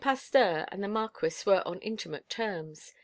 Pasteur and the Marquis were on intimate terms.